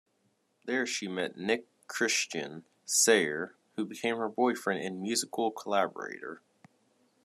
There she met Nick Christian Sayer, who became her boyfriend and musical collaborator.